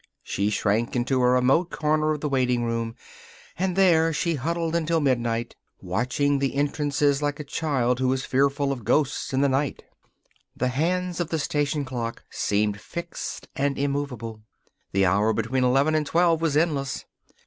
She shrank into a remote corner of the waiting room and there she huddled until midnight, watching the entrances like a child who is fearful of ghosts in the night. The hands of the station clock seemed fixed and immovable. The hour between eleven and twelve was endless.